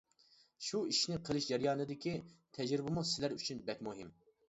شۇ ئىشنى قىلىش جەريانىدىكى تەجرىبىمۇ سىلەر ئۈچۈن بەك مۇھىم.